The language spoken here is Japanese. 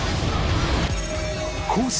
コース